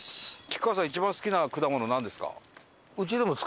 吉川さん一番好きな果物なんですか？